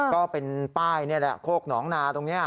ก็เป็นป้ายนี่แหละโคกหนองนาตรงนี้